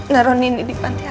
naruh ini di panti asuhan